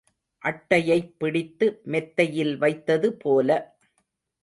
அட்டையைப் பிடித்து மெத்தையில் வைத்தது போல.